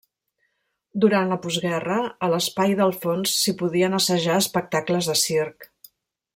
Durant la postguerra a l'espai del fons s'hi podien assajar espectacles de circ.